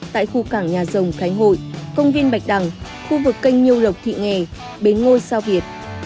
tại khu cảng nhà rồng khánh hội công viên bạch đằng khu vực kênh nhiêu lộc thị nghè bến ngôi sao việt